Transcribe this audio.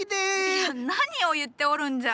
いや何を言っておるんじゃ。